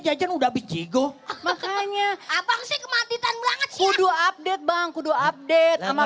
jajan udah bijigo makanya apa sih kematian banget kudu update bang kudu update sama